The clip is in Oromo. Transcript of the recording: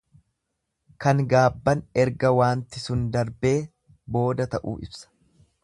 Kan gaabban erga waanti sun darbee booda ta'uu ibsa.